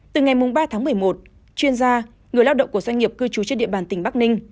từ ngày ba tháng một mươi một chuyên gia người lao động của doanh nghiệp cư trú trên địa bàn tỉnh bắc ninh